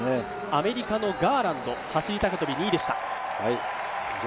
アメリカのガーランド、走幅跳２位でした。